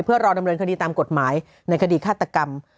เพื่อรอดำเนินคดีตามกฎหมายในคดีฆาตกรรม